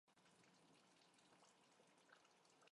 تودوخه د افغان کلتور په داستانونو کې راځي.